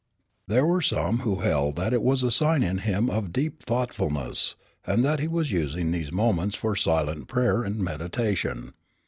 There were some who held that it was a sign in him of deep thoughtfulness, and that he was using these moments for silent prayer and meditation.